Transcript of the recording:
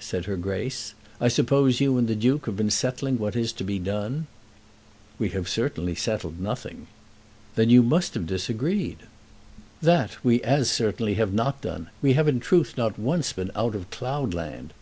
said her Grace. "I suppose you and the Duke have been settling what is to be done." "We have certainly settled nothing." "Then you must have disagreed." "That we as certainly have not done. We have in truth not once been out of cloud land."